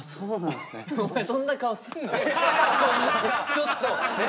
「ちょっと何？